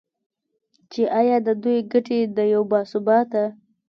چې ایا د دوی ګټې د یو با ثباته